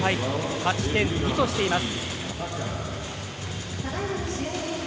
勝ち点２としています。